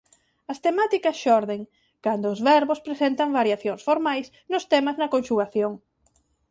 As temáticas xorden cando os verbos presentan variacións formais nos temas na conxugación.